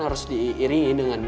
harus diiringi dengan